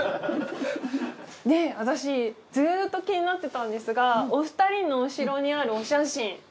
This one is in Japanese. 私ずっと気になってたんですがお二人の後ろにあるお写真。